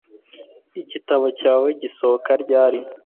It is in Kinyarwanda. Igitabo cyawe gisohoka ryari